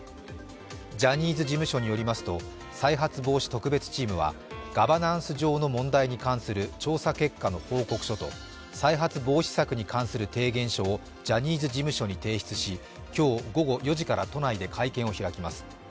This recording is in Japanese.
ジャニーズ事務所によりますと、再発防止特別チームはガバナンス上の問題に関する調査結果の報告書と再発防止策に関する提言書をジャニーズ事務所に提出し今日午後４時から都内で会見を開きます。